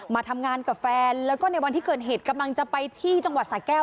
มาทำงานกับแฟนแล้วก็ในวันที่เกิดเหตุกำลังจะไปที่จังหวัดสาแก้ว